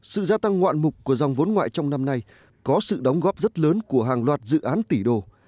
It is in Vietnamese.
sự gia tăng ngoạn mục của dòng vốn ngoại trong năm nay có sự đóng góp rất lớn của hàng loạt dự án tỷ đô